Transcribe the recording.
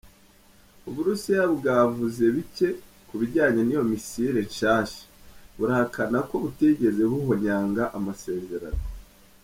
Uburusiya bwavuze bike ku bijanye n'iyo "missile" nshasha, burahakana ko butigeze buhonyanga amasezerano.